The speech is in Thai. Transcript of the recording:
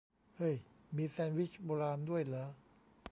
เฮ่ย มีแซนด์วิชโบราณด้วยเหรอ !